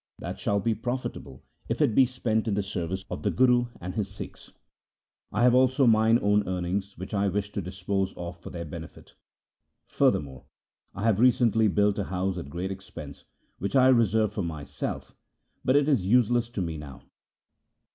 That shall be profitable if it be spent in the service of the 1 Kabir's sloks. SIKH. It G 82 THE SIKH RELIGION Guru and his Sikhs. I have also mine own earnings which I wish to dispose of for their benefit. Further more, I have recently built a house at great expense, which I reserved for myself, but it is useless to me now.